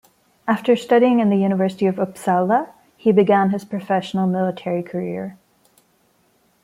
After studying in the University of Uppsala, he began his professional military career.